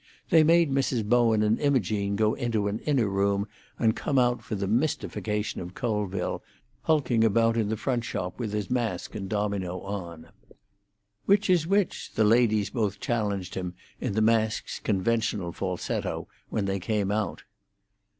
They made Mrs. Bowen and Imogene go into an inner room and come out for the mystification of Colville, hulking about in the front shop with his mask and domino on. "Which is which?" the ladies both challenged him, in the mask's conventional falsetto, when they came out.